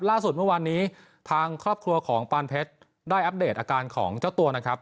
ล่าสุดเมื่อวานนี้ทางครอบครัวของปานเพชรได้อัปเดตอาการของเจ้าตัวนะครับ